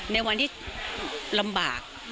ในวันที่ลำบาก